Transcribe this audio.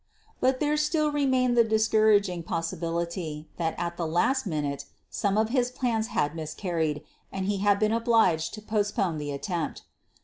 But there still remained the discouraging possi bility that at the last minute some of his plans had miscarried and he had been obliged to postpone the attempt.